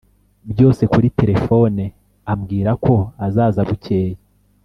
byose kuri telefone ambwirako azaza bukeye